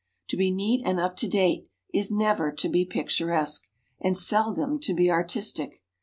To be neat and up to date, is never to be picturesque, and seldom to be artistic.